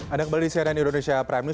anda kembali di si aneh indonesia prime news